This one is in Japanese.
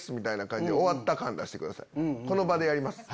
この場でやります。